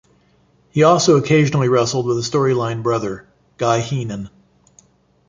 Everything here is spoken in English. He also occasionally wrestled with a storyline "brother" Guy Heenan.